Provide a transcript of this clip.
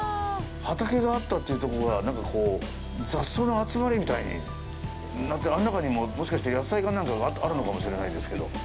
畑があったというところが、なんか、こう、雑草の集まりみたいになってて、あの中にも、もしかしたら野菜か何かがあるのかもしれないですけど。